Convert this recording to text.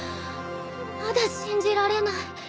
まだ信じられない。